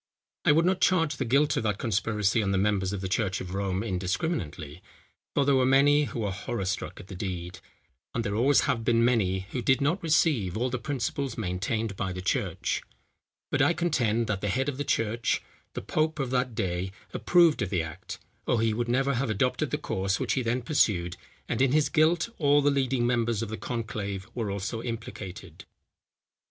I would not charge the guilt of that conspiracy on the members of the church of Rome indiscriminately, for there were many who were horror struck at the deed, and there always have been many who did not receive all the principles maintained by the church; but I contend, that the head of the church, the pope of that day, approved of the act, or he would never have adopted the course which he then pursued; and in his guilt all the leading members of the conclave were also implicated.